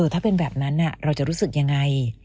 ถ้าเป็นแบบนั้นเราจะรู้สึกยังไง